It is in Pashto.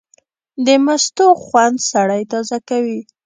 د مستو خوند سړی تازه کوي.